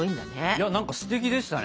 いや何かすてきでしたね。